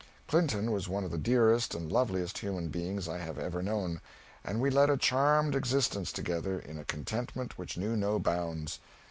Clinton was one of the dearest and loveliest human beings I have ever known, and we led a charmed existence together, in a contentment which knew no bounds.